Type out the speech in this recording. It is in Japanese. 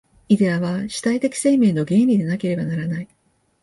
イデヤは主体的生命の原理でなければならない。